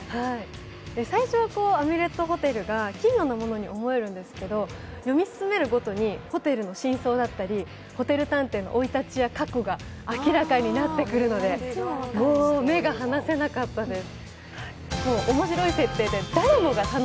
最初はアミュレット・ホテルが奇妙なものにみえるんですけど読み進めるごとにホテルの真相だったり、ホテル探偵の生い立ちや過去が明らかになってくるのでもう目が離せなかったです。